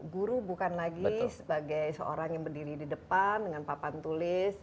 guru bukan lagi sebagai seorang yang berdiri di depan dengan papan tulis